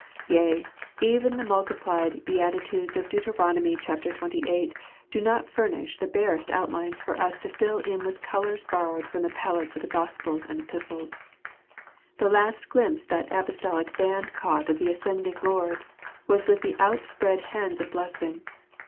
Yea, even the multiplied Beati tudes of Deut. xxviii, do but furnish the barest outlines for us to fill in with colours borrowed from the palettes of the Gospels and Epistles. The last glimpse that the Apostolic band caught of the ascending Lord was with the outspread hands of blessing.